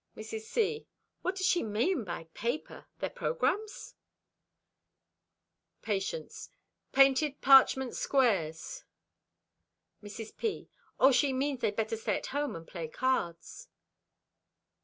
Mrs. C.—"What does she mean by paper? Their programmes?" Patience.—"Painted parchment squares." Mrs. P.—"Oh, she means they'd better stay at home and play cards."